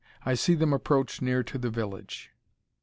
I see them approach near to the village."